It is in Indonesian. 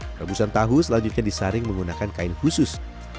perebusan tahu selanjutnya disaring menggunakan kain khusus